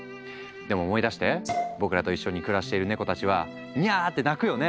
でも思い出して僕らと一緒に暮らしているネコたちは「にゃ」って鳴くよね？